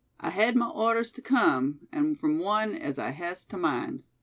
I hed my orders tuh come, an' from one as I hes tuh mind."